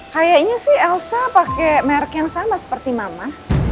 kayaknya sih elsa pakai merek yang sama seperti mama